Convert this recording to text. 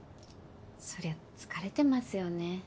そりゃ疲れてますよね。